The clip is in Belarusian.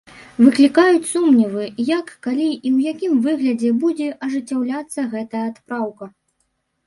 Выклікаюць сумневы, як, калі і ў якім выглядзе будзе ажыццяўляцца гэтая адпраўка.